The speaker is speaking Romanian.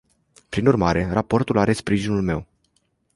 Prin urmare, raportul are sprijinul meu.